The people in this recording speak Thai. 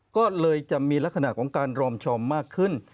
ก็เลยจะมีลักษณะของการรอมชอมมากขึ้น